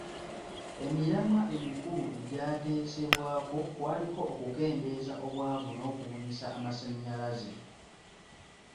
Emiramwa emikulu egyateesebwako kwaliko okukendeeza obwavu n'okubunyisa amasannyalaze,